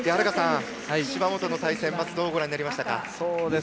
芝本の対戦、まずどうご覧になりましたか？